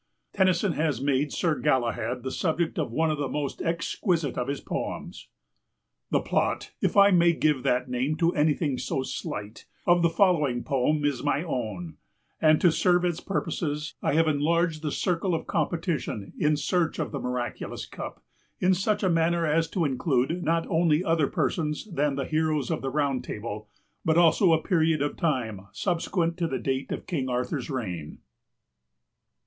Tennyson has made Sir Galahad the subject of one of the most exquisite of his poems. "The plot (if I may give that name to anything so slight) of the following poem is my own, and, to serve its purposes, I have enlarged the circle of competition in search of the miraculous cup in such a manner as to include not only other persons than the heroes of the Round Table, but also a period of time subsequent to the date of King Arthur's reign."